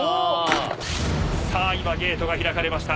さあ今ゲートが開かれました。